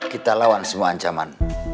kita lawan semua ancaman